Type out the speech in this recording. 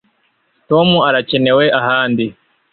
Tom arakenewe ahandi